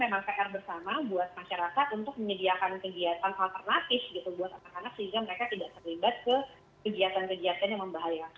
buat anak anak sehingga mereka tidak terlibat ke kegiatan kegiatan yang membahayakan